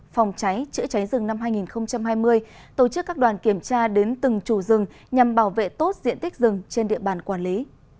phòng cháy chữa cháy rừng năm hai nghìn hai mươi tổ chức các đoàn kiểm tra đến từng chủ rừng nhằm bảo vệ tốt diện tích rừng trên địa bàn quản lý